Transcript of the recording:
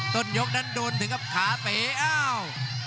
ต้นยกนั้นโดนถึงกับขาเป๋อ้าว